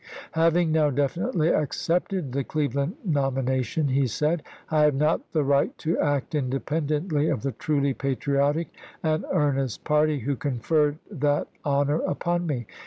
" Having now definitely accepted the 186^ Cleveland nomination," he said, "I have not the right to act independently of the truly patriotic and earnest party who conferred that honor upon me.